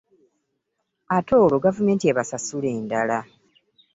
Ate olwo gavumenti ebasasule endala.